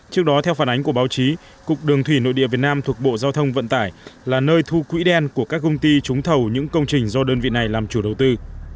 trước đó theo phản ánh của báo chí cục đường thủy nội địa việt nam thuộc bộ giao thông vận tải là nơi thu quỹ đen của các công ty trúng thầu những công trình do đơn vị này làm chủ đầu tư